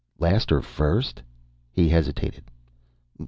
"Last or first?" He hesitated.